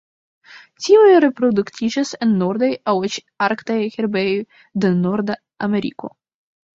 Tiuj reproduktiĝas en nordaj aŭ eĉ arktaj herbejoj de Norda Ameriko.